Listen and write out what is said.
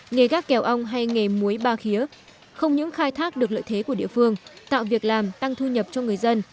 nghề gác kèo ong hay nghề muối ba khía không những khai thác được lợi thế của địa phương tạo việc làm tăng thu nhập cho người dân